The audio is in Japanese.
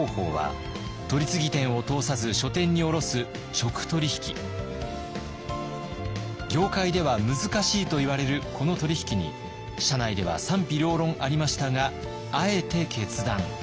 その販売方法は業界では難しいといわれるこの取り引きに社内では賛否両論ありましたがあえて決断。